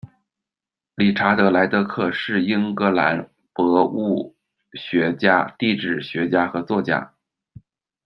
理查德·莱德克，是英格兰博物学家，地质学家和作家。